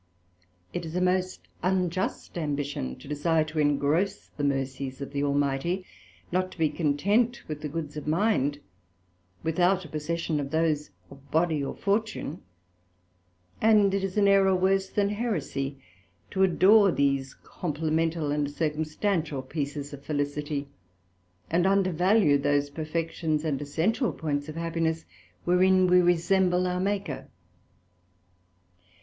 It is a most unjust ambition to desire to engross the mercies of the Almighty, not to be content with the goods of mind, without a possession of those of body or Fortune: and it is an error worse than heresie, to adore these complemental and circumstantial pieces of felicity, and undervalue those perfections and essential points of happiness wherein we resemble our Maker.